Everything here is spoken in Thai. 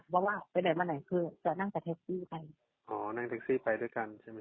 ว่าไปไหนมาไหนคือจะนั่งกับแท็กซี่ไปอ๋อนั่งแท็กซี่ไปด้วยกันใช่ไหม